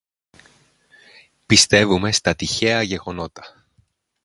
Πιστεύουμε στα τυχαία γεγονότα,